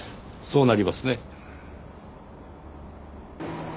そうなりますね。